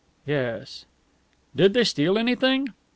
"Yes." "Did they steal anything?"